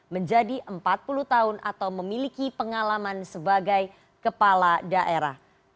menjadi empat puluh tahun atau memiliki pengalaman sebagai kepala daerah